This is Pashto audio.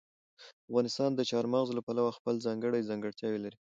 افغانستان د چار مغز له پلوه خپله ځانګړې ځانګړتیاوې لري.